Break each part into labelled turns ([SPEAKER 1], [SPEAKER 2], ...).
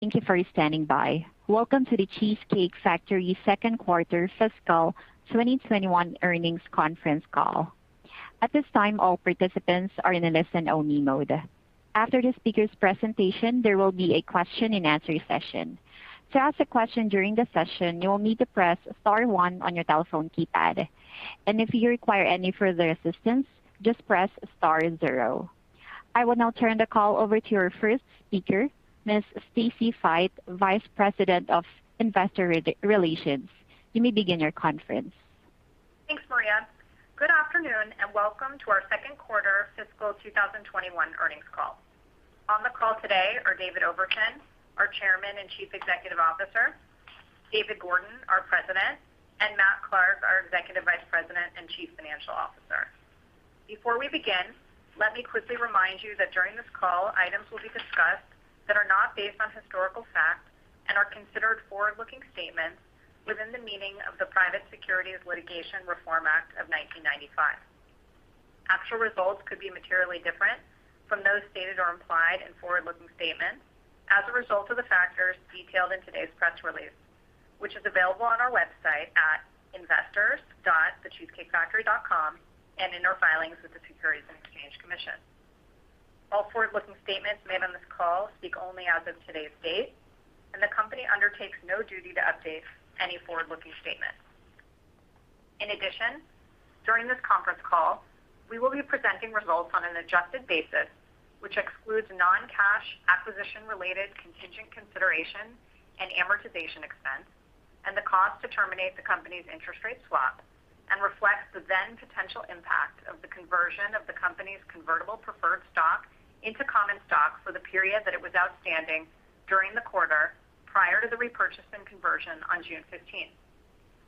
[SPEAKER 1] Thank you for standing by. Welcome to The Cheesecake Factory second quarter fiscal 2021 earnings conference call. At this time, all participants are in a listen-only mode. After the speaker's presentation, there will be a question and answer session. I will now turn the call over to our first speaker, Ms. Stacy Feit, Vice President of Investor Relations. You may begin your conference.
[SPEAKER 2] Thanks, Maria. Good afternoon, and welcome to our second quarter fiscal 2021 earnings call. On the call today are David Overton, our Chairman and Chief Executive Officer, David Gordon, our President, and Matt Clark, our Executive Vice President and Chief Financial Officer. Before we begin, let me quickly remind you that during this call, items will be discussed that are not based on historical fact and are considered forward-looking statements within the meaning of the Private Securities Litigation Reform Act of 1995. Actual results could be materially different from those stated or implied in forward-looking statements as a result of the factors detailed in today's press release, which is available on our website at investors.thecheesecakefactory.com and in our filings with the Securities and Exchange Commission. All forward-looking statements made on this call speak only as of today's date. The company undertakes no duty to update any forward-looking statements. In addition, during this conference call, we will be presenting results on an adjusted basis, which excludes non-cash acquisition-related contingent consideration and amortization expense, and the cost to terminate the company's interest rate swap, and reflects the then potential impact of the conversion of the company's convertible preferred stock into common stock for the period that it was outstanding during the quarter, prior to the repurchase and conversion on June 15th.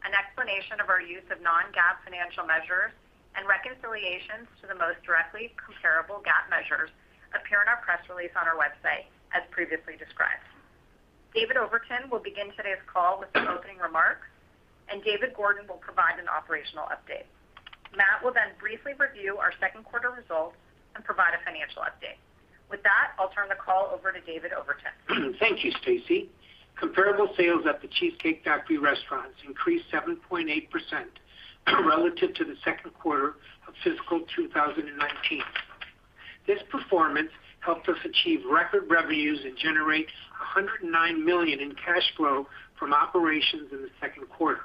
[SPEAKER 2] An explanation of our use of non-GAAP financial measures and reconciliations to the most directly comparable GAAP measures appear in our press release on our website, as previously described. David Overton will begin today's call with some opening remarks, and David Gordon will provide an operational update. Matt will then briefly review our second quarter results and provide a financial update. With that, I'll turn the call over to David Overton.
[SPEAKER 3] Thank you, Stacy. Comparable sales at The Cheesecake Factory restaurants increased 7.8% relative to the second quarter of fiscal 2019. This performance helped us achieve record revenues and generate $109 million in cash flow from operations in the second quarter.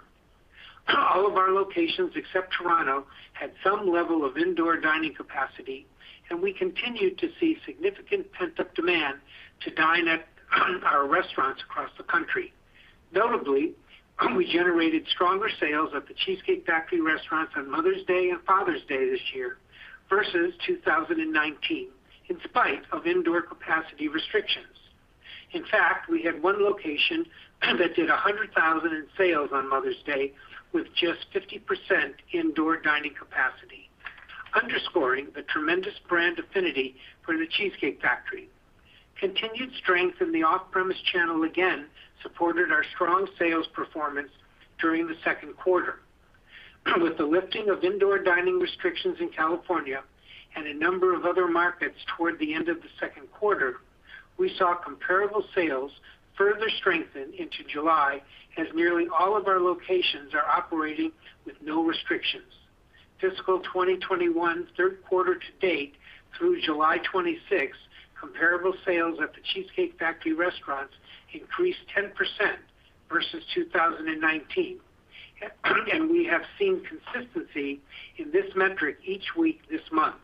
[SPEAKER 3] All of our locations, except Toronto, had some level of indoor dining capacity, and we continued to see significant pent-up demand to dine at our restaurants across the country. Notably, we generated stronger sales at The Cheesecake Factory restaurants on Mother's Day and Father's Day this year versus 2019, in spite of indoor capacity restrictions. In fact, we had one location that did $100,000 in sales on Mother's Day with just 50% indoor dining capacity, underscoring the tremendous brand affinity for The Cheesecake Factory. Continued strength in the off-premise channel again supported our strong sales performance during the second quarter. With the lifting of indoor dining restrictions in California and a number of other markets toward the end of the second quarter, we saw comparable sales further strengthen into July, as nearly all of our locations are operating with no restrictions. Fiscal 2021's third quarter to date through July 26th, comparable sales at The Cheesecake Factory restaurants increased 10% versus 2019. We have seen consistency in this metric each week this month.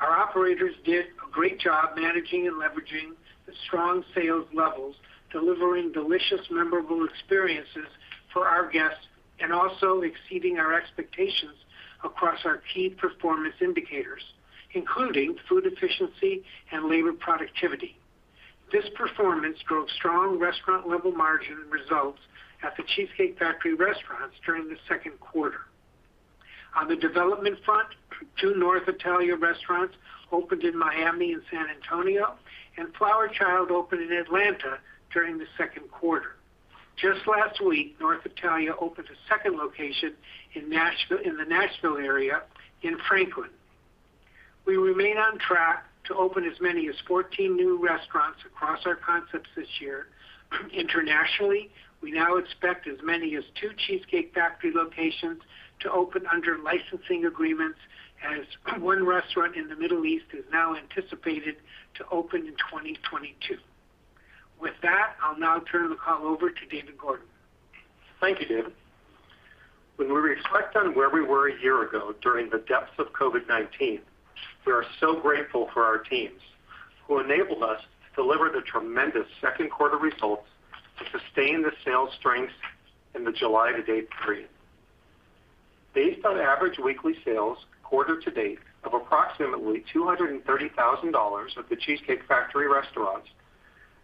[SPEAKER 3] Our operators did a great job managing and leveraging the strong sales levels, delivering delicious, memorable experiences for our guests, and also exceeding our expectations across our key performance indicators, including food efficiency and labor productivity. This performance drove strong restaurant-level margin results at The Cheesecake Factory restaurants during the second quarter. On the development front, two North Italia restaurants opened in Miami and San Antonio, and Flower Child opened in Atlanta during the second quarter Just last week, North Italia opened a second location in the Nashville area in Franklin. We remain on track to open as many as 14 new restaurants across our concepts this year. Internationally, we now expect as many as two The Cheesecake Factory locations to open under licensing agreements, as one restaurant in the Middle East is now anticipated to open in 2022. With that, I'll now turn the call over to David Gordon.
[SPEAKER 4] Thank you, David. When we reflect on where we were a year ago during the depths of COVID-19, we are so grateful for our teams who enabled us to deliver the tremendous second quarter results to sustain the sales strength in the July to date period. Based on average weekly sales quarter to date of approximately $230,000 at The Cheesecake Factory restaurants,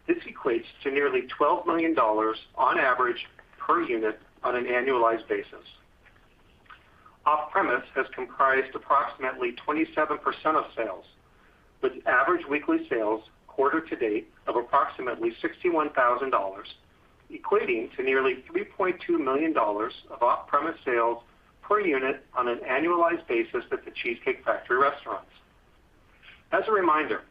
[SPEAKER 4] this equates to nearly $12 million on average per unit on an annualized basis. Off-premise has comprised approximately 27% of sales, with average weekly sales quarter to date of approximately $61,000, equating to nearly $3.2 million of off-premise sales per unit on an annualized basis at The Cheesecake Factory restaurants. As a reminder,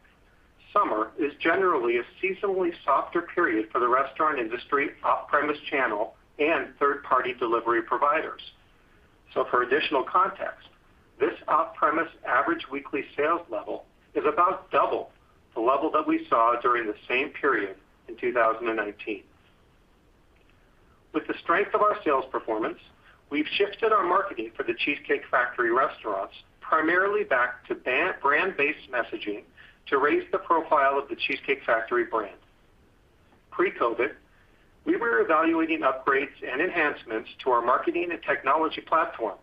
[SPEAKER 4] summer is generally a seasonally softer period for the restaurant industry, off-premise channel, and third-party delivery providers. For additional context, this off-premise average weekly sales level is about double the level that we saw during the same period in 2019. With the strength of our sales performance, we've shifted our marketing for The Cheesecake Factory Restaurants primarily back to brand-based messaging to raise the profile of The Cheesecake Factory brand. Pre-COVID, we were evaluating upgrades and enhancements to our marketing and technology platform,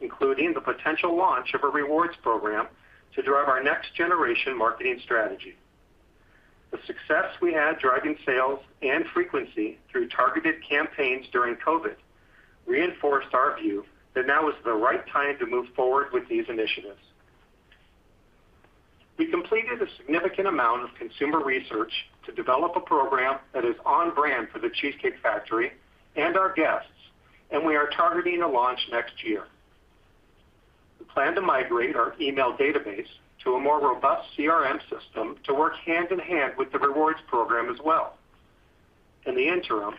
[SPEAKER 4] including the potential launch of a rewards program to drive our next generation marketing strategy. The success we had driving sales and frequency through targeted campaigns during COVID reinforced our view that now is the right time to move forward with these initiatives. We completed a significant amount of consumer research to develop a program that is on brand for The Cheesecake Factory and our guests, and we are targeting a launch next year. We plan to migrate our email database to a more robust CRM system to work hand in hand with the rewards program as well. In the interim,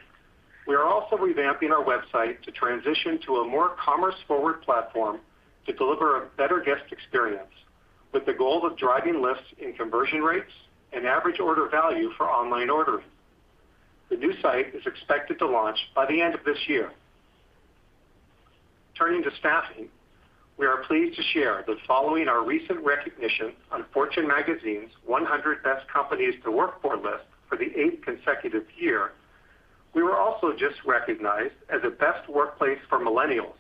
[SPEAKER 4] we are also revamping our website to transition to a more commerce-forward platform to deliver a better guest experience, with the goal of driving lifts in conversion rates and average order value for online ordering. The new site is expected to launch by the end of this year. Turning to staffing, we are pleased to share that following our recent recognition on Fortune Magazine's 100 Best Companies to Work For list for the eighth consecutive year, we were also just recognized as a best workplace for millennials.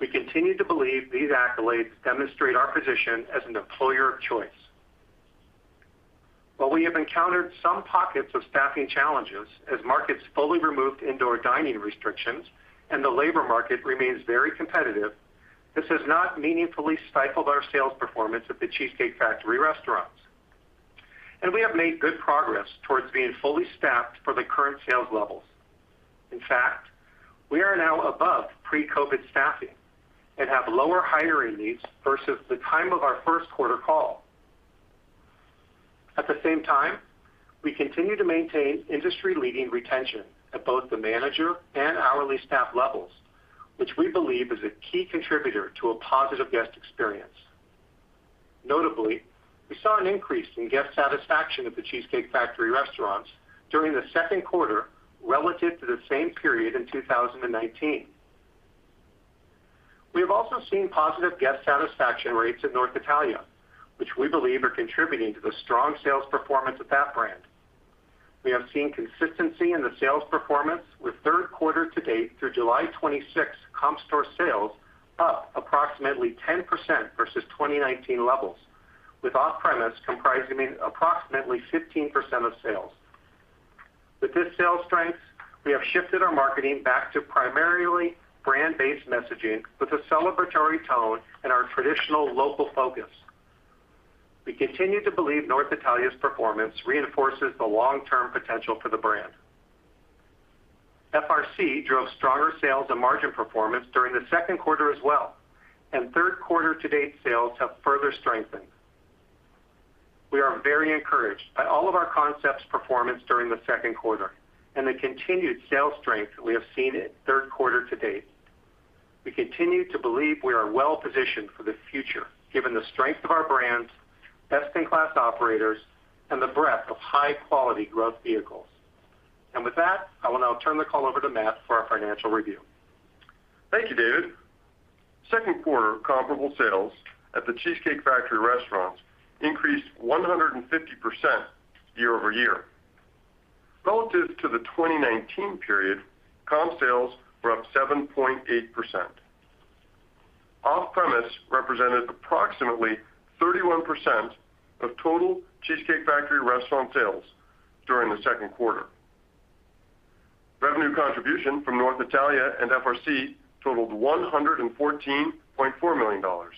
[SPEAKER 4] We continue to believe these accolades demonstrate our position as an employer of choice. While we have encountered some pockets of staffing challenges as markets fully removed indoor dining restrictions and the labor market remains very competitive, this has not meaningfully stifled our sales performance at The Cheesecake Factory Restaurants. We have made good progress towards being fully staffed for the current sales levels. In fact, we are now above pre-COVID staffing and have lower hiring needs versus the time of our first quarter call. At the same time, we continue to maintain industry-leading retention at both the manager and hourly staff levels, which we believe is a key contributor to a positive guest experience. Notably, we saw an increase in guest satisfaction at The Cheesecake Factory Restaurants during the second quarter relative to the same period in 2019. We have also seen positive guest satisfaction rates at North Italia, which we believe are contributing to the strong sales performance of that brand. We have seen consistency in the sales performance with third quarter to date through July 26 comp store sales up approximately 10% versus 2019 levels, with off-premise comprising approximately 15% of sales. With this sales strength, we have shifted our marketing back to primarily brand-based messaging with a celebratory tone and our traditional local focus. We continue to believe North Italia's performance reinforces the long-term potential for the brand. FRC drove stronger sales and margin performance during the second quarter as well, and third quarter to date sales have further strengthened. We are very encouraged by all of our concepts' performance during the second quarter and the continued sales strength we have seen in third quarter to date. We continue to believe we are well positioned for the future given the strength of our brands, best-in-class operators, and the breadth of high-quality growth vehicles. With that, I will now turn the call over to Matt for our financial review.
[SPEAKER 5] Thank you, David. Second quarter comparable sales at The Cheesecake Factory Restaurants increased 150% year-over-year. Relative to the 2019 period, comp sales were up 7.8%. Off-premise represented approximately 31% of total The Cheesecake Factory Restaurant sales during the second quarter. Revenue contribution from North Italia and FRC totaled $114.4 million. North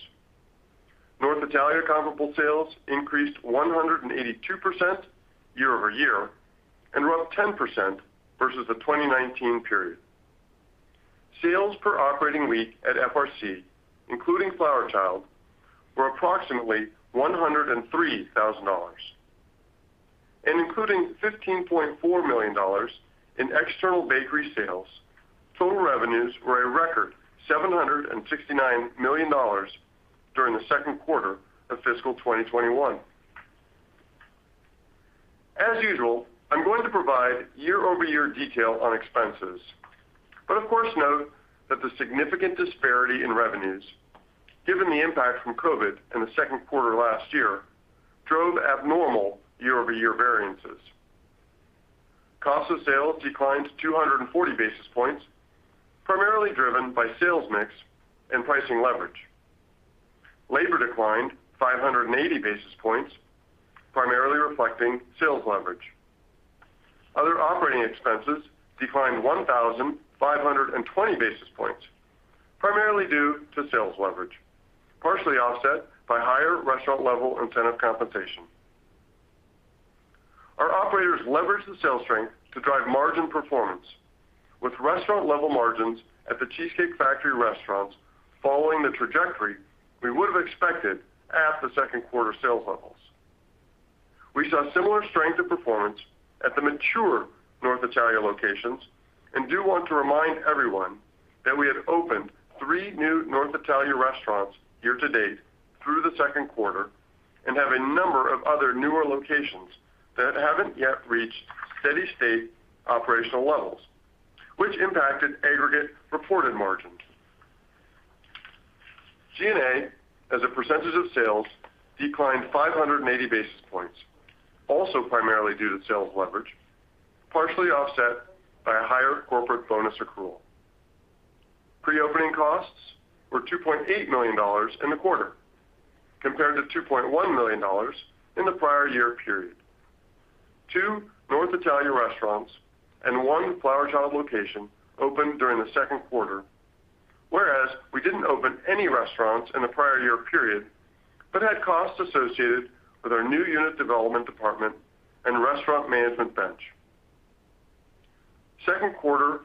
[SPEAKER 5] Italia comparable sales increased 182% year-over-year and were up 10% versus the 2019 period. Sales per operating week at FRC, including Flower Child, were approximately $103,000. Including $15.4 million in external bakery sales, total revenues were a record $769 million during the second quarter of fiscal 2021. As usual, I'm going to provide year-over-year detail on expenses, but of course, note that the significant disparity in revenues, given the impact from COVID in the second quarter last year, drove abnormal year-over-year variances. Cost of sales declined 240 basis points, primarily driven by sales mix and pricing leverage. Labor declined 580 basis points, primarily reflecting sales leverage. Other operating expenses declined 1,520 basis points, primarily due to sales leverage, partially offset by higher restaurant level incentive compensation. Operators leveraged the sales strength to drive margin performance, with restaurant-level margins at The Cheesecake Factory restaurants following the trajectory we would have expected at the second quarter sales levels. We saw similar strength of performance at the mature North Italia locations. Do want to remind everyone that we have opened three new North Italia restaurants year to date through the second quarter, and have a number of other newer locations that haven't yet reached steady state operational levels, which impacted aggregate reported margins. G&A, as a percentage of sales, declined 580 basis points, also primarily due to sales leverage, partially offset by a higher corporate bonus accrual. Pre-opening costs were $2.8 million in the quarter, compared to $2.1 million in the prior year period. Two North Italia restaurants and one Flower Child location opened during the second quarter, whereas we didn't open any restaurants in the prior year period, but had costs associated with our new unit development department and restaurant management bench. Second quarter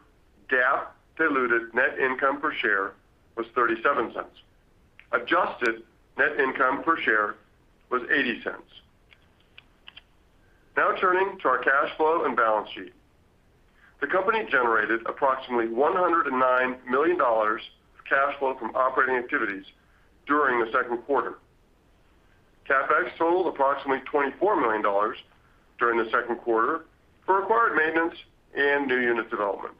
[SPEAKER 5] GAAP diluted net income per share was $0.37. Adjusted net income per share was $0.80. Now turning to our cash flow and balance sheet. The company generated approximately $109 million of cash flow from operating activities during the second quarter. CapEx totaled approximately $24 million during the second quarter for required maintenance and new unit development.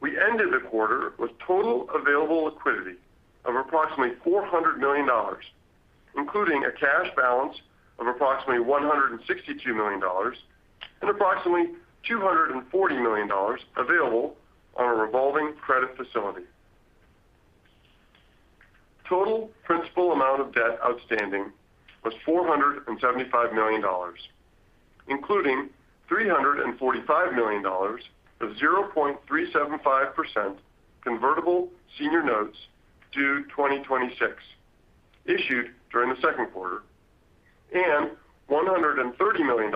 [SPEAKER 5] We ended the quarter with total available liquidity of approximately $400 million, including a cash balance of approximately $162 million and approximately $240 million available on a revolving credit facility. Total principal amount of debt outstanding was $475 million, including $345 million of 0.375% convertible senior notes due 2026, issued during the second quarter, and $130 million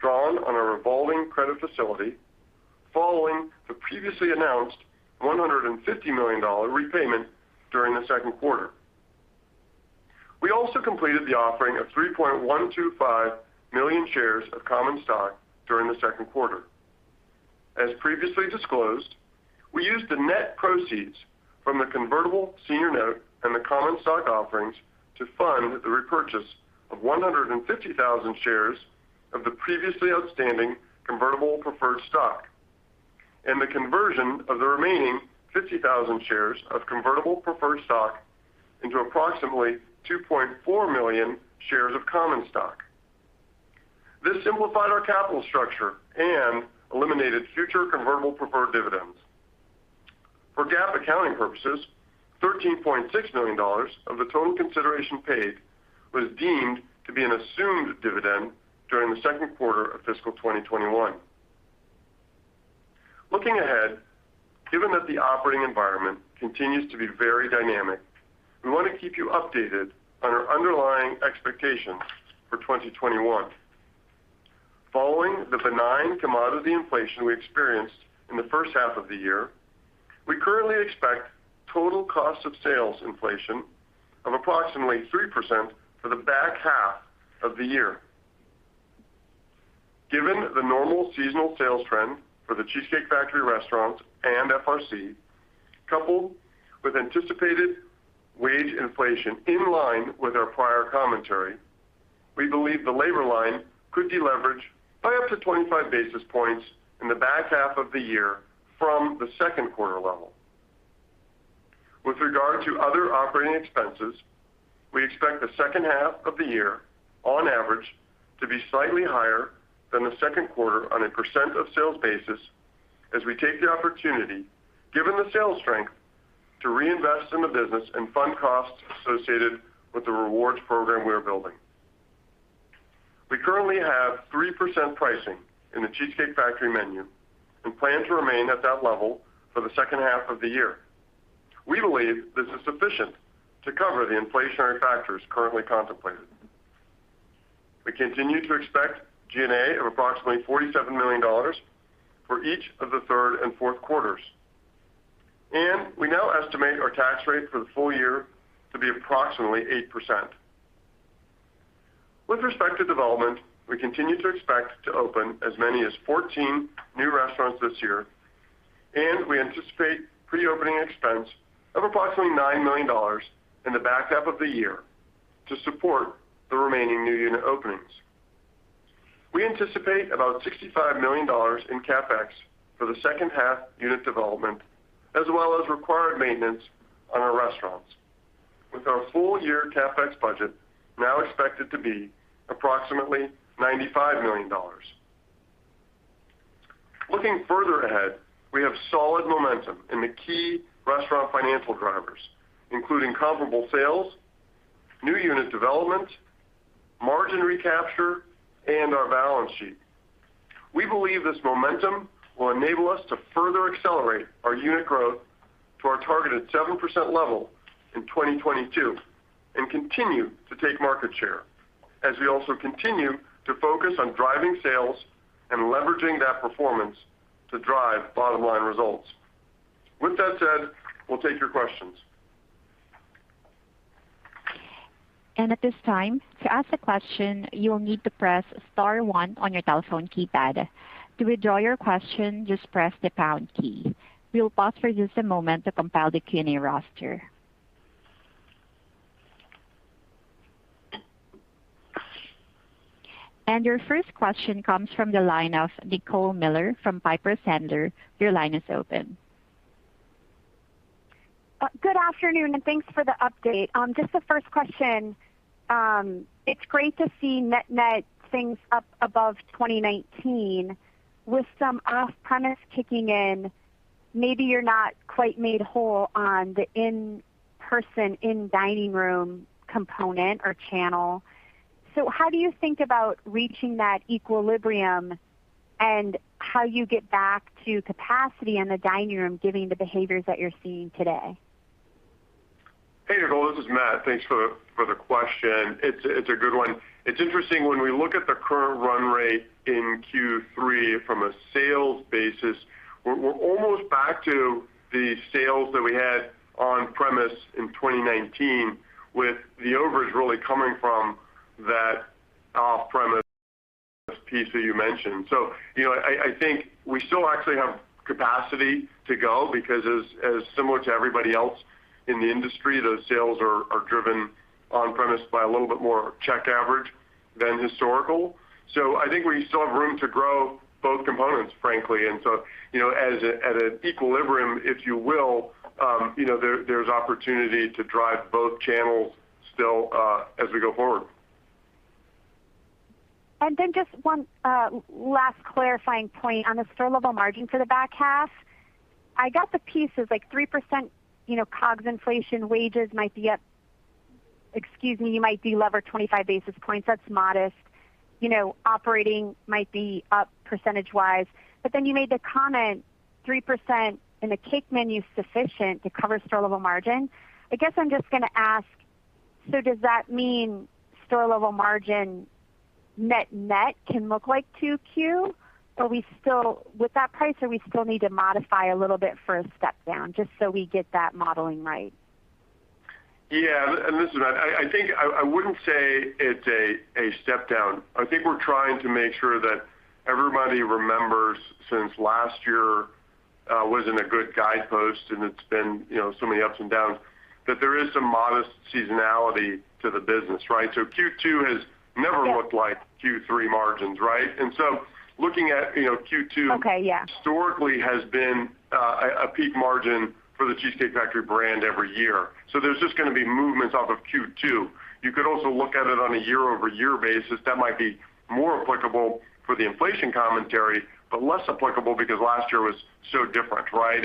[SPEAKER 5] drawn on a revolving credit facility following the previously announced $150 million repayment during the second quarter. We also completed the offering of 3.125 million shares of common stock during the second quarter. As previously disclosed, we used the net proceeds from the convertible senior note and the common stock offerings to fund the repurchase of 150,000 shares of the previously outstanding convertible preferred stock, and the conversion of the remaining 50,000 shares of convertible preferred stock into approximately 2.4 million shares of common stock. This simplified our capital structure and eliminated future convertible preferred dividends. For GAAP accounting purposes, $13.6 million of the total consideration paid was deemed to be an assumed dividend during the second quarter of fiscal 2021. Looking ahead, given that the operating environment continues to be very dynamic, we want to keep you updated on our underlying expectations for 2021. Following the benign commodity inflation we experienced in the first half of the year, we currently expect total cost of sales inflation of approximately 3% for the back half of the year. Given the normal seasonal sales trend for The Cheesecake Factory Restaurant and FRC, coupled with anticipated wage inflation in line with our prior commentary, we believe the labor line could deleverage by up to 25 basis points in the back half of the year from the second quarter level. With regard to other operating expenses, we expect the second half of the year, on average, to be slightly higher than the second quarter on a percent of sales basis, as we take the opportunity, given the sales strength, to reinvest in the business and fund costs associated with the rewards program we are building. We currently have 3% pricing in The Cheesecake Factory menu, and plan to remain at that level for the second half of the year. We believe this is sufficient to cover the inflationary factors currently contemplated. We continue to expect G&A of approximately $47 million for each of the third and fourth quarters, and we now estimate our tax rate for the full year to be approximately 8%. With respect to development, we continue to expect to open as many as 14 new restaurants this year, and we anticipate pre-opening expense of approximately $9 million in the back half of the year to support the remaining new unit openings. We anticipate about $65 million in CapEx for the second half unit development, as well as required maintenance on our restaurants, with our full-year CapEx budget now expected to be approximately $95 million. Looking further ahead, we have solid momentum in the key restaurant financial drivers, including comparable sales, new unit development, margin recapture, and our balance sheet. We believe this momentum will enable us to further accelerate our unit growth to our targeted 7% level in 2022 and continue to take market share, as we also continue to focus on driving sales and leveraging that performance to drive bottom-line results. With that said, we'll take your questions.
[SPEAKER 1] And at this time, to ask a question, you will need to press star one on your telephone keypad. To withdraw your question, just press the pound key. We'll pause for just a moment to compile the Q&A roster. Your first question comes from the line of Nicole Miller from Piper Sandler. Your line is open.
[SPEAKER 6] Good afternoon. Thanks for the update. Just the first question. It's great to see net things up above 2019 with some off-premise kicking in. Maybe you're not quite made whole on the in-person, in-dining room component or channel. How do you think about reaching that equilibrium, and how you get back to capacity in the dining room, given the behaviors that you're seeing today?
[SPEAKER 5] Hey, Nicole, this is Matt. Thanks for the question. It's a good one. It's interesting when we look at the current run rate in Q3 from a sales basis, we're almost back to the sales that we had on premise in 2019 with the overs really coming from that off-premise piece that you mentioned. I think we still actually have capacity to go because as similar to everybody else in the industry, those sales are driven on premise by a little bit more check average than historical. I think we still have room to grow both components, frankly, and at an equilibrium, if you will, there's opportunity to drive both channels still as we go forward.
[SPEAKER 6] Just one last clarifying point. On the store level margin for the back half, I got the pieces, like 3% COGS inflation, wages might be up, excuse me, you might delever 25 basis points. That's modest. Operating might be up percentage-wise. You made the comment, 3% in the cake menu is sufficient to cover store level margin. I guess I'm just going to ask, does that mean store level margin net can look like 2Q, with that price, or we still need to modify a little bit for a step down, just so we get that modeling right?
[SPEAKER 5] Yeah. Listen, I think I wouldn't say it's a step down. I think we're trying to make sure that everybody remembers, since last year wasn't a good guidepost and it's been so many ups and downs, that there is some modest seasonality to the business, right? Q2 has never looked like Q3 margins, right? Looking at Q2-
[SPEAKER 6] Okay. Yeah.
[SPEAKER 5] -historically has been a peak margin for The Cheesecake Factory brand every year. There's just going to be movements off of Q2. You could also look at it on a year-over-year basis. That might be more applicable for the inflation commentary, but less applicable because last year was so different, right?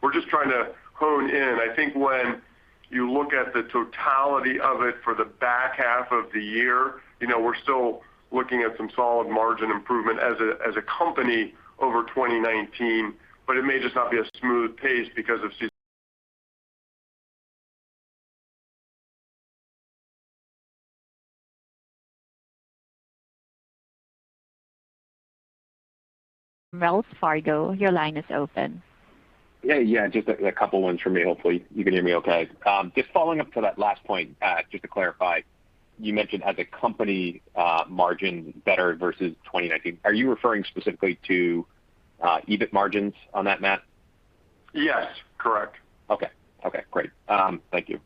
[SPEAKER 5] We're just trying to hone in. I think when you look at the totality of it for the back half of the year, we're still looking at some solid margin improvement as a company over 2019, but it may just not be a smooth pace because of.
[SPEAKER 1] Wells Fargo, your line is open.
[SPEAKER 7] Yeah, just a couple ones from me. Hopefully you can hear me okay. Following up to that last point, to clarify, you mentioned as a company, margin better versus 2019. Are you referring specifically to EBIT margins on that, Matt?
[SPEAKER 5] Yes, correct.
[SPEAKER 7] Okay. Great. Thank you.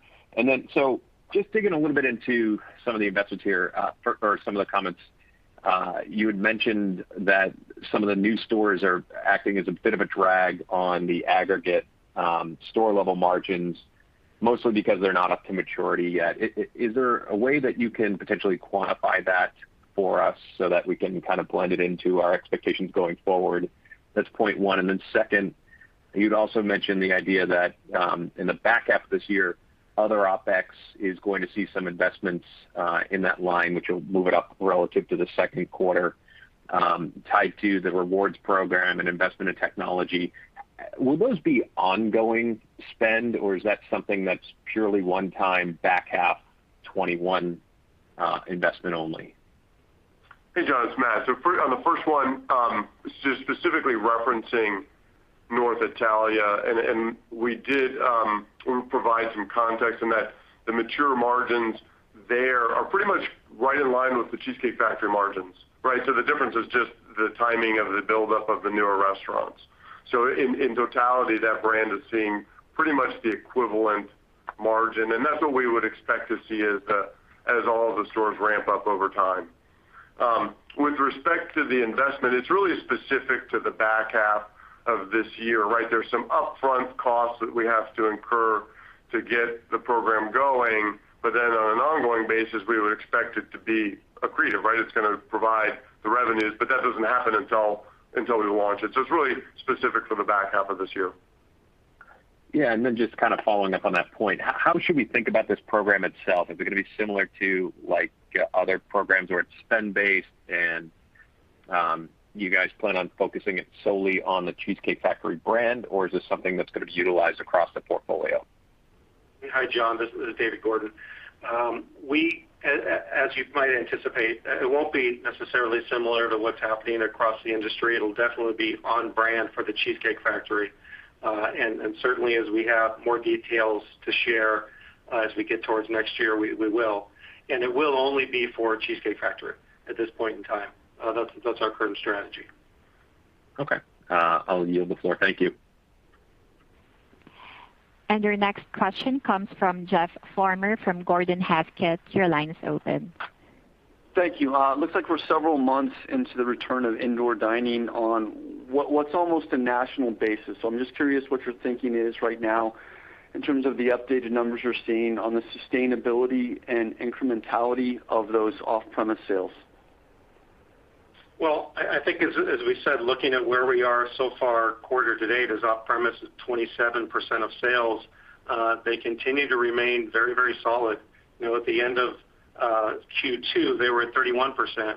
[SPEAKER 7] Just digging a little bit into some of the investments here or some of the comments. You had mentioned that some of the new stores are acting as a bit of a drag on the aggregate store level margins, mostly because they're not up to maturity yet. Is there a way that you can potentially quantify that for us so that we can kind of blend it into our expectations going forward? That's point one. Second, you'd also mentioned the idea that, in the back half of this year, other OpEx is going to see some investments in that line, which will move it up relative to the second quarter, tied to the rewards program and investment in technology. Will those be ongoing spend, or is that something that's purely one-time back half 2021 investment only?
[SPEAKER 5] Jon, it's Matt. On the first one, specifically referencing North Italia, we did provide some context in that the mature margins there are pretty much right in line with The Cheesecake Factory margins, right? The difference is just the timing of the buildup of the newer restaurants. In totality, that brand is seeing pretty much the equivalent margin, and that's what we would expect to see as all of the stores ramp up over time. With respect to the investment, it's really specific to the back half of this year, right? There's some upfront costs that we have to incur to get the program going, but then on an ongoing basis, we would expect it to be accretive, right? It's going to provide the revenues, but that doesn't happen until we launch it. It's really specific for the back half of this year.
[SPEAKER 7] Yeah. Then just kind of following up on that point, how should we think about this program itself? Is it going to be similar to other programs where it's spend-based, and you guys plan on focusing it solely on The Cheesecake Factory brand, or is this something that's going to be utilized across the portfolio?
[SPEAKER 4] Hi, Jon, this is David Gordon. As you might anticipate, it won't be necessarily similar to what's happening across the industry. It'll definitely be on brand for The Cheesecake Factory. Certainly as we have more details to share as we get towards next year, we will. It will only be for Cheesecake Factory at this point in time. That's our current strategy.
[SPEAKER 7] Okay. I'll yield the floor. Thank you.
[SPEAKER 1] Your next question comes from Jeff Farmer from Gordon Haskett. Your line is open.
[SPEAKER 8] Thank you. It looks like we're several months into the return of indoor dining on what's almost a national basis. I'm just curious what your thinking is right now in terms of the updated numbers you're seeing on the sustainability and incrementality of those off-premise sales?
[SPEAKER 4] Well, I think as we said, looking at where we are so far quarter to date as off-premise is 27% of sales, they continue to remain very solid. At the end of Q2, they were at 31%.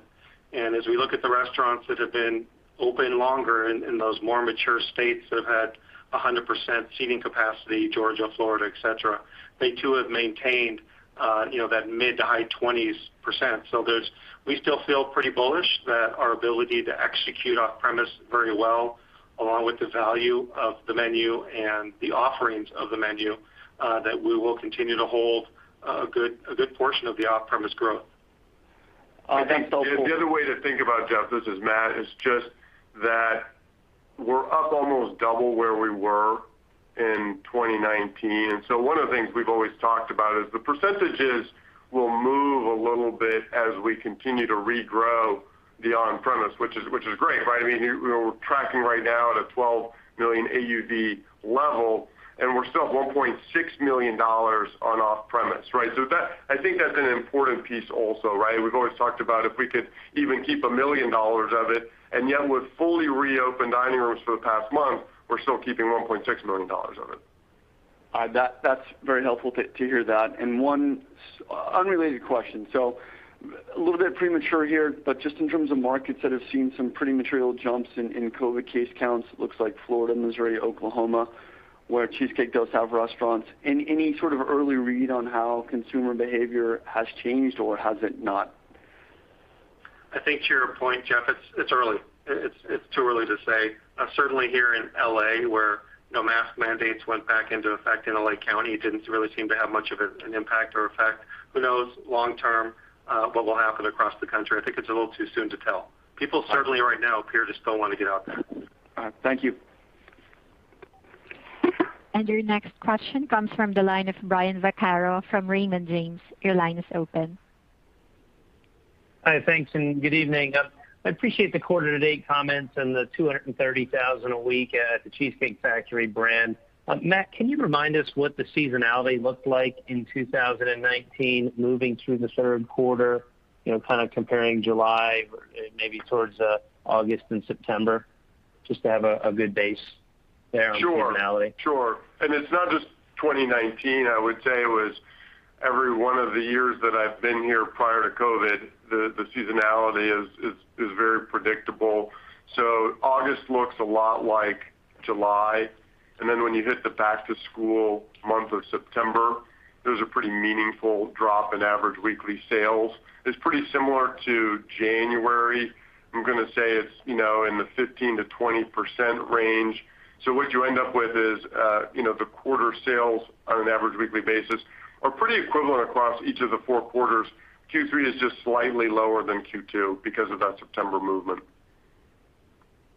[SPEAKER 4] As we look at the restaurants that have been open longer in those more mature states that have had 100% seating capacity, Georgia, Florida, et cetera, they too have maintained that mid to high 20s%. We still feel pretty bullish that our ability to execute off-premise very well, along with the value of the menu and the offerings of the menu, that we will continue to hold a good portion of the off-premise growth.
[SPEAKER 8] I think that's helpful.
[SPEAKER 5] The other way to think about, Jeff, this is Matt, is just that we're up almost double where we were in 2019. One of the things we've always talked about is the percentages will move a little bit as we continue to regrow the on-premise, which is great. We're tracking right now at a $12 million AUV level, and we're still at $1.6 million on off-premise. I think that's an important piece also. We've always talked about if we could even keep $1 million of it, and yet we've fully reopened dining rooms for the past month, we're still keeping $1.6 million of it.
[SPEAKER 8] That's very helpful to hear that. One unrelated question. A little bit premature here, but just in terms of markets that have seen some pretty material jumps in COVID case counts, it looks like Florida, Missouri, Oklahoma, where Cheesecake does have restaurants. Any sort of early read on how consumer behavior has changed, or has it not?
[SPEAKER 4] I think to your point, Jeff, it's early. It's too early to say. Certainly here in L.A., where no mask mandates went back into effect in L.A. County, it didn't really seem to have much of an impact or effect. Who knows long-term what will happen across the country. I think it's a little too soon to tell. People certainly right now appear to still want to get out there.
[SPEAKER 8] All right. Thank you.
[SPEAKER 1] Your next question comes from the line of Brian Vaccaro from Raymond James. Your line is open.
[SPEAKER 9] Hi, thanks, and good evening. I appreciate the quarter-to-date comments and the 230,000 a week at The Cheesecake Factory brand. Matt, can you remind us what the seasonality looked like in 2019 moving through the third quarter, kind of comparing July maybe towards August and September, just to have a good base there on seasonality?
[SPEAKER 5] Sure. It's not just 2019. I would say it was every one of the years that I've been here prior to COVID, the seasonality is very predictable. August looks a lot like July. When you hit the back-to-school month of September, there's a pretty meaningful drop in average weekly sales. It's pretty similar to January. I'm going to say it's in the 15%-20% range. What you end up with is, the quarter sales on an average weekly basis are pretty equivalent across each of the four quarters. Q3 is just slightly lower than Q2 because of that September movement.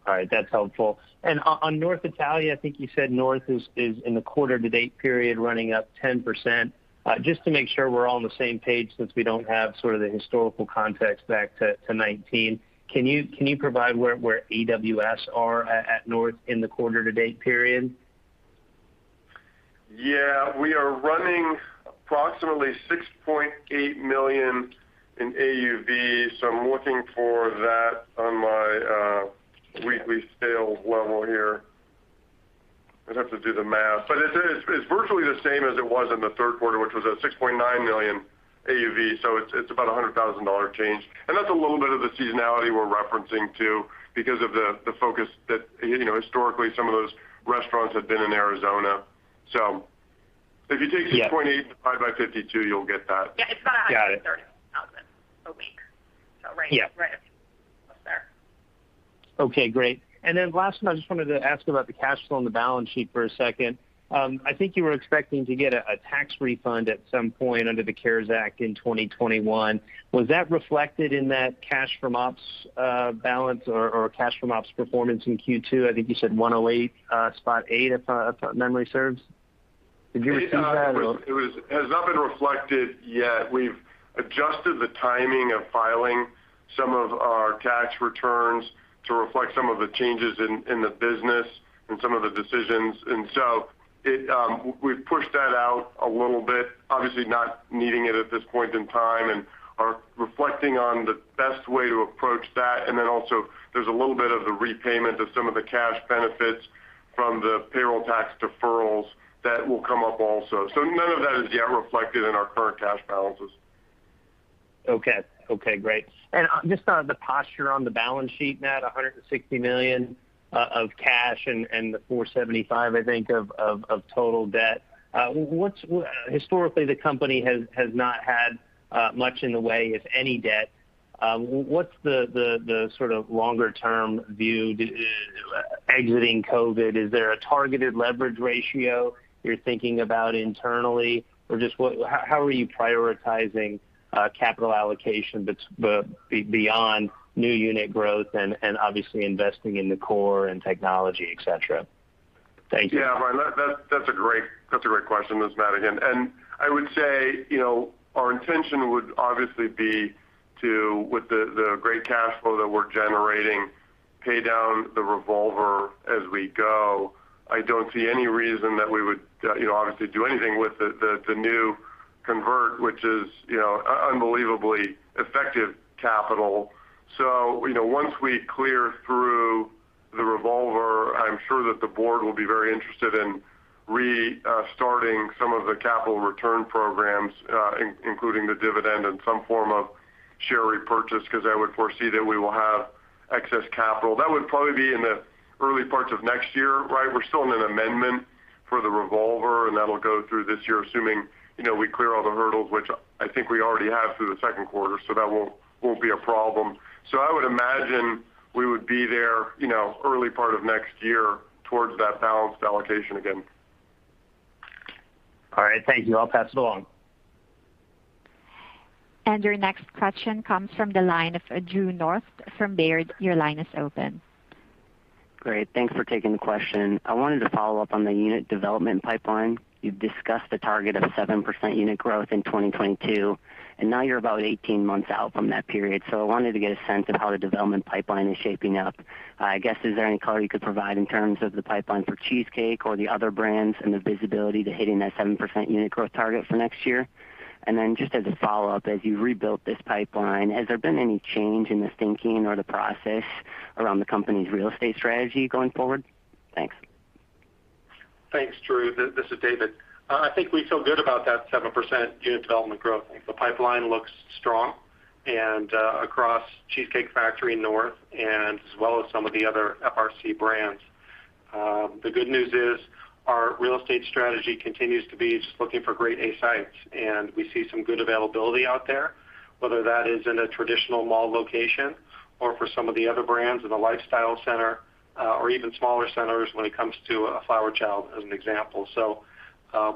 [SPEAKER 9] All right. That's helpful. On North Italia, I think you said North is in the quarter-to-date period running up 10%. Just to make sure we're all on the same page since we don't have sort of the historical context back to 2019, can you provide where AWS are at North in the quarter-to-date period?
[SPEAKER 5] Yeah. We are running approximately $6.8 million AUV, so I'm looking for that on my weekly sales level here. I'd have to do the math, but it's virtually the same as it was in the third quarter, which was at $6.9 million AUV, so it's about $100,000 change. That's a little bit of the seasonality we're referencing too because of the focus that historically some of those restaurants have been in Arizona. If you take the 28 divided by 52, you'll get that. Yeah, it's about $130,000 a week. Right up there.
[SPEAKER 9] Okay, great. Last one, I just wanted to ask about the cash flow on the balance sheet for a second. I think you were expecting to get a tax refund at some point under the CARES Act in 2021. Was that reflected in that cash from ops balance or cash from ops performance in Q2? I think you said $108.8, if memory serves. Did you receive that or?
[SPEAKER 5] It has not been reflected yet. We've adjusted the timing of filing some of our tax returns to reflect some of the changes in the business and some of the decisions. We've pushed that out a little bit, obviously not needing it at this point in time, and are reflecting on the best way to approach that. Also, there's a little bit of the repayment of some of the cash benefits from the payroll tax deferrals that will come up also. None of that is yet reflected in our current cash balances.
[SPEAKER 9] Okay, great. Just on the posture on the balance sheet, Matt, $160 million of cash and the $475 million, I think, of total debt. Historically, the company has not had much in the way of any debt. What's the longer-term view exiting COVID? Is there a targeted leverage ratio you're thinking about internally? Just how are you prioritizing capital allocation beyond new unit growth and obviously investing in the core and technology, et cetera? Thank you.
[SPEAKER 5] Brian Vaccaro, that's a great question. I would say, our intention would obviously be to, with the great cash flow that we're generating, pay down the revolver as we go. I don't see any reason that we would obviously do anything with the new convert, which is unbelievably effective capital. Once we clear through the revolver, I'm sure that the board will be very interested in restarting some of the capital return programs, including the dividend and some form of share repurchase, because I would foresee that we will have excess capital. That would probably be in the early parts of next year. We're still in an amendment for the revolver, and that will go through this year, assuming we clear all the hurdles, which I think we already have through the second quarter, so that won't be a problem. I would imagine we would be there early part of next year towards that balanced allocation again.
[SPEAKER 9] All right. Thank you. I'll pass it along.
[SPEAKER 1] Your next question comes from the line of Drew North from Baird. Your line is open.
[SPEAKER 10] Great. Thanks for taking the question. I wanted to follow up on the unit development pipeline. You've discussed a target of 7% unit growth in 2022, and now you're about 18 months out from that period. I wanted to get a sense of how the development pipeline is shaping up. I guess, is there any color you could provide in terms of the pipeline for Cheesecake or the other brands and the visibility to hitting that 7% unit growth target for next year? Just as a follow-up, as you rebuilt this pipeline, has there been any change in the thinking or the process around the company's real estate strategy going forward? Thanks.
[SPEAKER 4] Thanks, Drew. This is David. I think we feel good about that 7% unit development growth. The pipeline looks strong, and across The Cheesecake Factory, North Italia, and as well as some of the other FRC brands. The good news is our real estate strategy continues to be just looking for great A sites, and we see some good availability out there, whether that is in a traditional mall location or for some of the other brands in a lifestyle center, or even smaller centers when it comes to a Flower Child, as an example.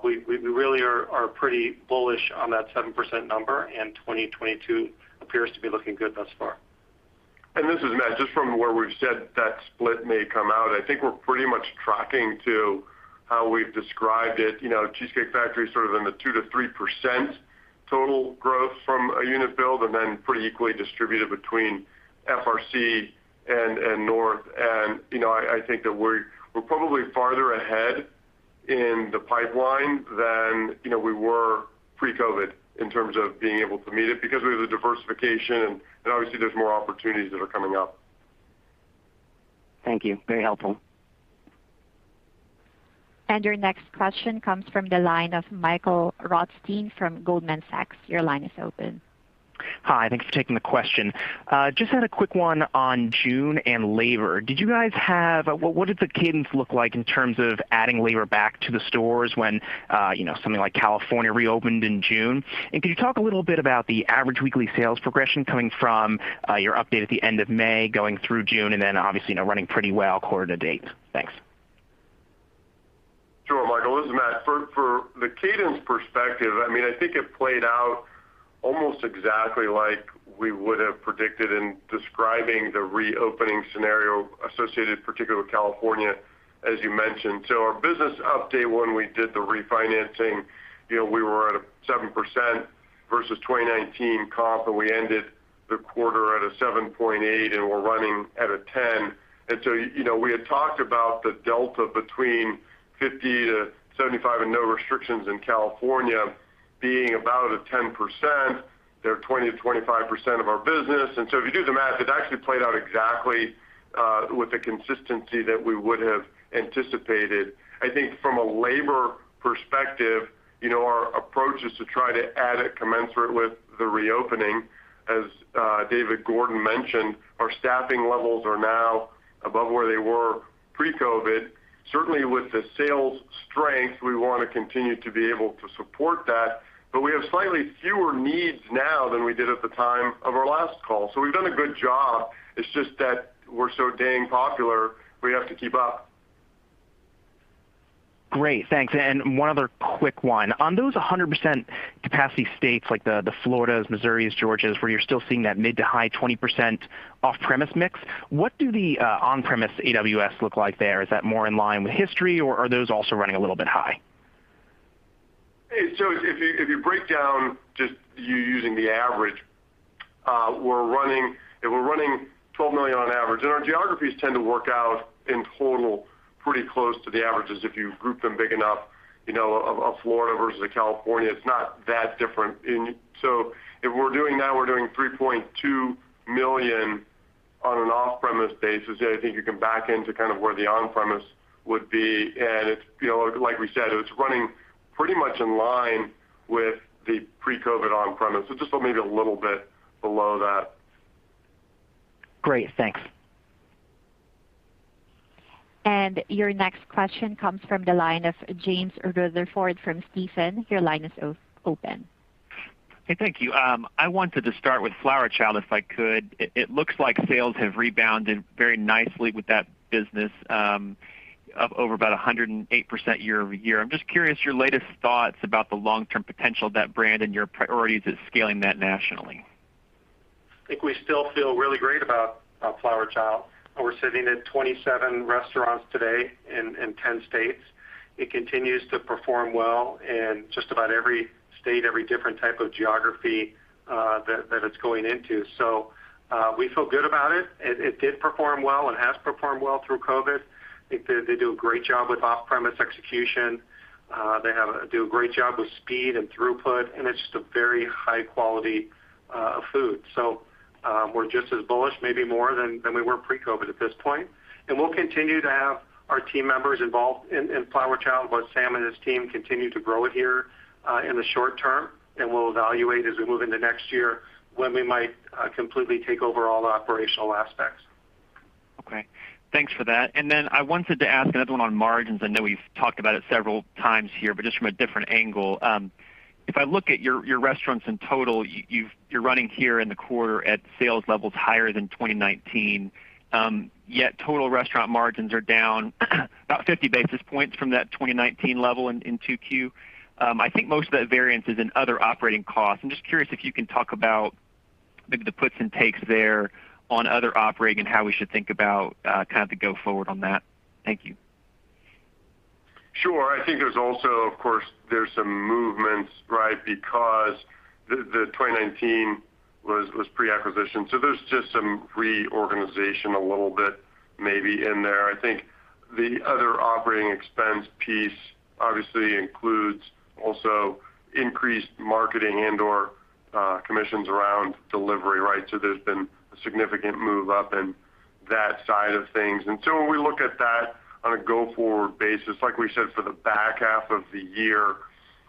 [SPEAKER 4] We really are pretty bullish on that 7% number, and 2022 appears to be looking good thus far.
[SPEAKER 5] This is Matt. Just from where we've said that split may come out, I think we're pretty much tracking to how we've described it. The Cheesecake Factory is in the 2%-3% total growth from a unit build, and then pretty equally distributed between FRC and North Italia. I think that we're probably farther ahead in the pipeline than we were pre-COVID in terms of being able to meet it because we have the diversification, and obviously there's more opportunities that are coming up.
[SPEAKER 10] Thank you. Very helpful.
[SPEAKER 1] Your next question comes from the line of Michael Rothstein from Goldman Sachs. Your line is open.
[SPEAKER 11] Hi, thanks for taking the question. Just had a quick one on June and labor. What did the cadence look like in terms of adding labor back to the stores when something like California reopened in June? Could you talk a little bit about the average weekly sales progression coming from your update at the end of May, going through June, and then obviously now running pretty well quarter to date. Thanks.
[SPEAKER 5] Sure, Michael. This is Matt. For the cadence perspective, I think it played out almost exactly like we would have predicted in describing the reopening scenario associated particularly with California, as you mentioned. Our business up to when we did the refinancing, we were at a 7% versus 2019 comp, and we ended the quarter at a 7.8%, and we're running at a 10%. We had talked about the delta between 50-75 and no restrictions in California being about a 10%. They're 20%-25% of our business. If you do the math, it actually played out exactly with the consistency that we would have anticipated. I think from a labor perspective, our approach is to try to add it commensurate with the reopening. As David Gordon mentioned, our staffing levels are now above where they were pre-COVID. With the sales strength, we want to continue to be able to support that, but we have slightly fewer needs now than we did at the time of our last call. We've done a good job. It's just that we're so dang popular, we have to keep up.
[SPEAKER 11] Great. Thanks. One other quick one. On those 100% capacity states like the Floridas, Missouris, Georgias, where you're still seeing that mid-to-high 20% off-premise mix, what do the on-premise AUVs look like there? Is that more in line with history, or are those also running a little bit high?
[SPEAKER 5] If you break down just you using the average, we're running $12 million on average. Our geographies tend to work out in total pretty close to the averages if you group them big enough. Florida versus California, it's not that different. If we're doing that, we're doing $3.2 million. On this basis, I think you can back into where the on-premise would be. Like we said, it's running pretty much in line with the pre-COVID on-premise. Just maybe a little bit below that.
[SPEAKER 11] Great. Thanks.
[SPEAKER 1] Your next question comes from the line of James Rutherford from Stephens. Your line is open.
[SPEAKER 12] Hey, thank you. I wanted to start with Flower Child, if I could. It looks like sales have rebounded very nicely with that business, up over about 108% year-over-year. I'm just curious, your latest thoughts about the long-term potential of that brand and your priorities at scaling that nationally.
[SPEAKER 5] I think we still feel really great about Flower Child. We're sitting at 27 restaurants today in 10 states. It continues to perform well in just about every state, every different type of geography that it's going into. We feel good about it. It did perform well and has performed well through COVID. I think they do a great job with off-premise execution. They do a great job with speed and throughput, and it's just a very high quality food. We're just as bullish, maybe more than we were pre-COVID at this point. We'll continue to have our team members involved in Flower Child while Sam and his team continue to grow it here, in the short term. We'll evaluate as we move into next year when we might completely take over all the operational aspects.
[SPEAKER 12] Okay. Thanks for that. I wanted to ask another one on margins. I know we've talked about it several times here, but just from a different angle. If I look at your restaurants in total, you're running here in the quarter at sales levels higher than 2019. Yet total restaurant margins are down about 50 basis points from that 2019 level in 2Q. I think most of that variance is in other operating costs. I'm just curious if you can talk about maybe the puts and takes there on other operating and how we should think about the go forward on that. Thank you.
[SPEAKER 5] Sure. I think there's also, of course, there's some movements, right? Because the 2019 was pre-acquisition, so there's just some reorganization a little bit maybe in there. I think the other operating expense piece obviously includes also increased marketing and/or commissions around delivery, right? There's been a significant move up in that side of things. When we look at that on a go forward basis, like we said, for the back half of the year,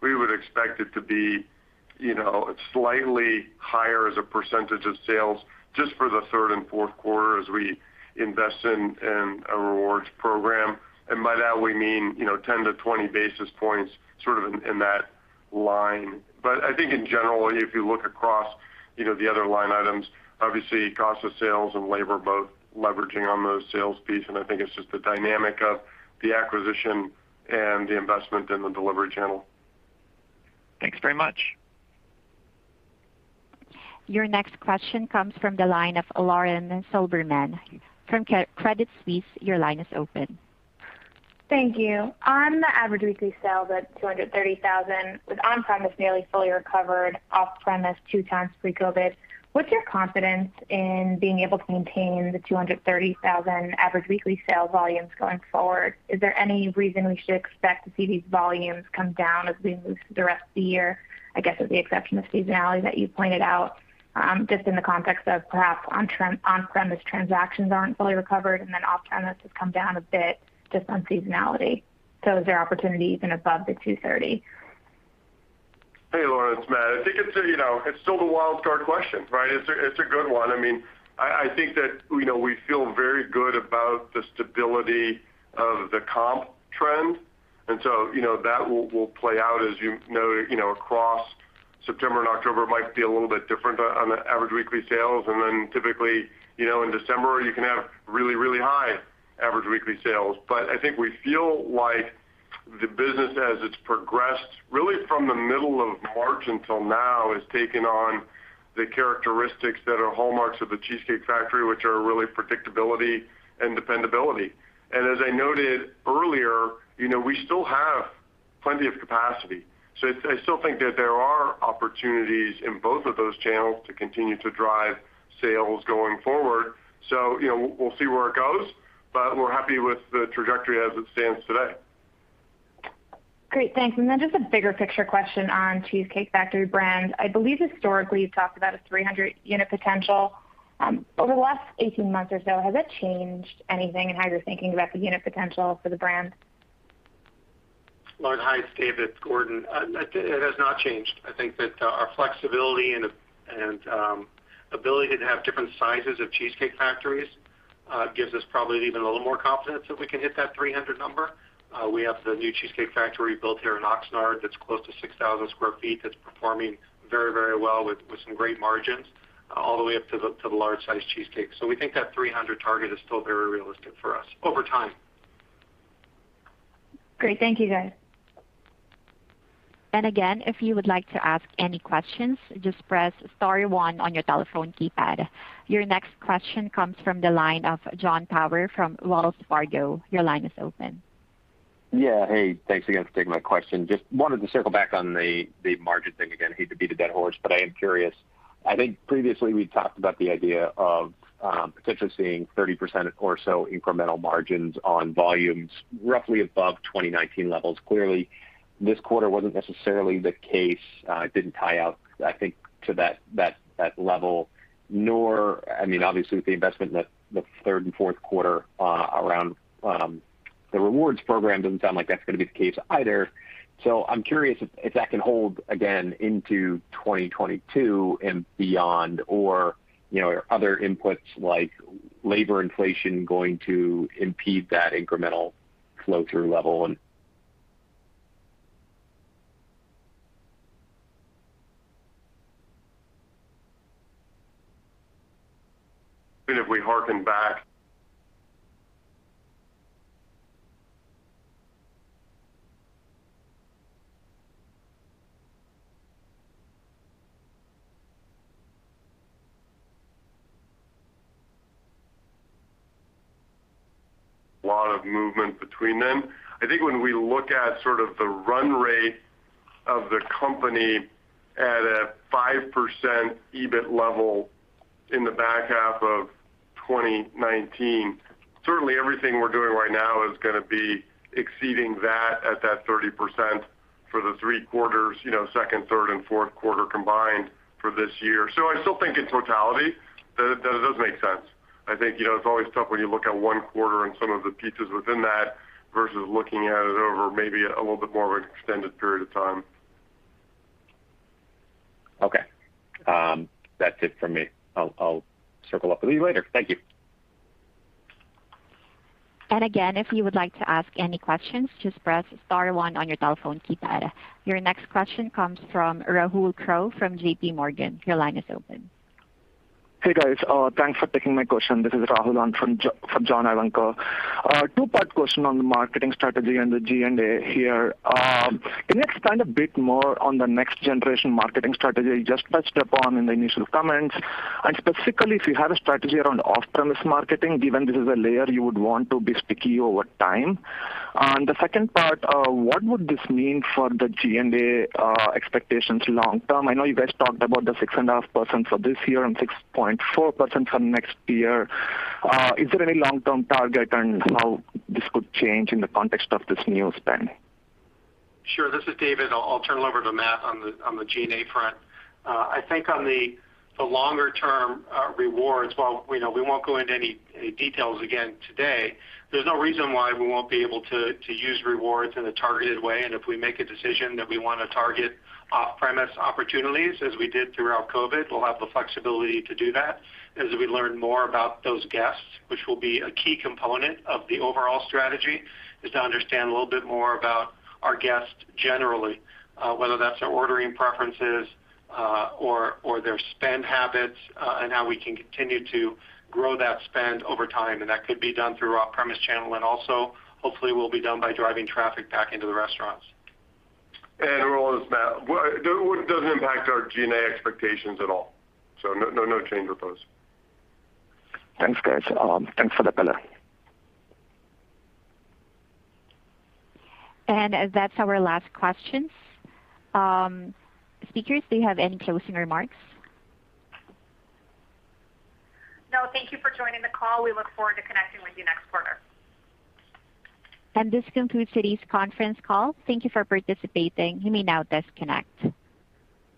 [SPEAKER 5] we would expect it to be slightly higher as a percentage of sales just for the third and fourth quarter as we invest in a rewards program. By that we mean, 10-20 basis points in that line. I think in general, if you look across the other line items, obviously cost of sales and labor both leveraging on those sales piece. I think it's just the dynamic of the acquisition and the investment in the delivery channel.
[SPEAKER 12] Thanks very much.
[SPEAKER 1] Your next question comes from the line of Lauren Silberman from Credit Suisse. Your line is open.
[SPEAKER 13] Thank you. On the average weekly sales at 230,000, with on-premise nearly fully recovered, off-premise 2 times pre-COVID. What's your confidence in being able to maintain the 230,000 average weekly sales volumes going forward? Is there any reason we should expect to see these volumes come down as we move through the rest of the year? I guess with the exception of seasonality that you pointed out, just in the context of perhaps on-premise transactions aren't fully recovered and then off-premise has come down a bit just on seasonality. Is there opportunity even above the 230?
[SPEAKER 5] Hey, Lauren, it's Matt. I think it's still the wild card question, right? It's a good one. I think that we feel very good about the stability of the comp trend, that will play out, as you know, across September and October. It might be a little bit different on the average weekly sales. Typically, in December, you can have really high average weekly sales. I think we feel like the business as it's progressed, really from the middle of March until now, has taken on the characteristics that are hallmarks of The Cheesecake Factory, which are really predictability and dependability. As I noted earlier, we still have plenty of capacity. I still think that there are opportunities in both of those channels to continue to drive sales going forward. We'll see where it goes, but we're happy with the trajectory as it stands today.
[SPEAKER 13] Great, thanks. Then just a bigger picture question on Cheesecake Factory brand. I believe historically you've talked about a 300 unit potential. Over the last 18 months or so, has that changed anything in how you're thinking about the unit potential for the brand?
[SPEAKER 4] Lauren, hi, it's David Gordon. It has not changed. I think that our flexibility and ability to have different sizes of Cheesecake Factories gives us probably even a little more confidence that we can hit that 300 number. We have the new Cheesecake Factory built here in Oxnard that's close to 6,000 sq ft, that's performing very well with some great margins, all the way up to the large size Cheesecake. We think that 300 target is still very realistic for us over time.
[SPEAKER 13] Great. Thank you, guys.
[SPEAKER 1] Again, if you would like to ask any questions, just press star one on your telephone keypad. Your next question comes from the line of Jon Tower from Wells Fargo. Your line is open.
[SPEAKER 7] Yeah. Hey, thanks again for taking my question. Just wanted to circle back on the margin thing again. I hate to beat a dead horse, but I am curious. I think previously we talked about the idea of potentially seeing 30% or so incremental margins on volumes roughly above 2019 levels. Clearly, this quarter wasn't necessarily the case. It didn't tie out, I think, to that level, nor obviously with the investment in the third and fourth quarter around the rewards program doesn't sound like that's going to be the case either. I'm curious if that can hold again into 2022 and beyond, or are other inputs like labor inflation going to impede that incremental flow-through level.
[SPEAKER 5] Even if we hearken back. A lot of movement between them. I think when we look at sort of the run rate of the company at a 5% EBIT level in the back half of 2019, certainly everything we're doing right now is going to be exceeding that at that 30% for the three quarters, second, third, and fourth quarter combined for this year. I still think in totality that it does make sense. I think, it's always tough when you look at one quarter and some of the pieces within that versus looking at it over maybe a little bit more of an extended period of time.
[SPEAKER 7] Okay. That's it from me. I'll circle up with you later. Thank you.
[SPEAKER 1] Again, if you would like to ask any questions, just press star one on your telephone keypad. Your next question comes from Rahul Kro from JPMorgan. Your line is open.
[SPEAKER 14] Hey, guys. Thanks for taking my question. This is Rahul on from John Ivankoe. A two-part question on the marketing strategy and the G&A here. Can you expand a bit more on the next generation marketing strategy you just touched upon in the initial comments? Specifically, if you have a strategy around off-premise marketing, given this is a layer you would want to be sticky over time. The second part, what would this mean for the G&A expectations long term? I know you guys talked about the 6.5% for this year and 6.4% for next year. Is there any long-term target and how this could change in the context of this new spend?
[SPEAKER 4] Sure. This is David. I'll turn it over to Matt on the G&A front. I think on the longer-term rewards, while we know we won't go into any details again today, there's no reason why we won't be able to use rewards in a targeted way, and if we make a decision that we want to target off-premise opportunities as we did throughout COVID, we'll have the flexibility to do that as we learn more about those guests, which will be a key component of the overall strategy, is to understand a little bit more about our guests generally, whether that's their ordering preferences, or their spend habits, and how we can continue to grow that spend over time. That could be done through off-premise channel and also hopefully will be done by driving traffic back into the restaurants.
[SPEAKER 5] Rahul, this is Matt. Well, it doesn't impact our G&A expectations at all. No change with those.
[SPEAKER 14] Thanks, guys. Thanks for the color.
[SPEAKER 1] That's our last question. Speakers, do you have any closing remarks?
[SPEAKER 2] No, thank you for joining the call. We look forward to connecting with you next quarter.
[SPEAKER 1] This concludes today's conference call. Thank you for participating. You may now disconnect.